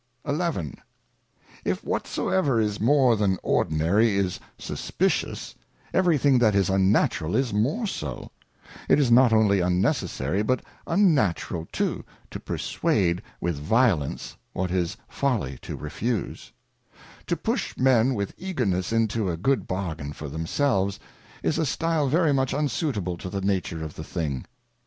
XI. If whatsoever is more than ordinary is suspicious, every thing that is unnatural is more so ; It is not only unnecessary but unnatural too to perswade with violence what it is folly to refuse ; to push men with eagerness into a good bargain for themselves, is a stile veiy much unsuitable to the nature of the thing.